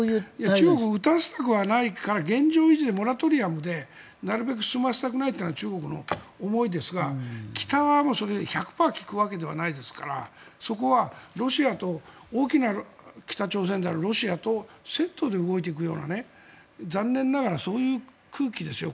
中国は撃たせたくはないから現状維持でモラトリアムで進ませたくないというのが中国の思いですから北側もそれで１００％聞くわけではないですからそこはロシアと大きな北朝鮮であるロシアとセットで動いていくような残念ながらそういう空気ですよ。